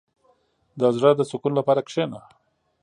• د زړۀ د سکون لپاره کښېنه.